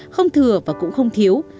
không thừa và cũng không thiếu